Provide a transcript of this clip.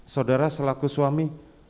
saudara selaku suami